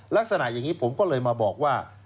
ลักษณะอย่างนี้ผมก็เลยมาบอกว่า